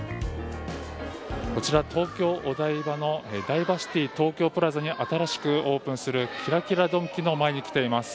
こちら東京、お台場のダイバーシティー東京プラザに新しくオープンするキラキラドンキの前に来ています。